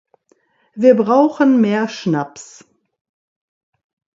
Wir brauchen mehr Schnaps!